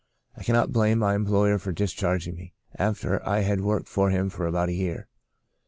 I cannot blame my employer for discharging me, after I had worked for him for about a year.